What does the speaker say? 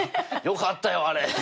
「よかったよあれ」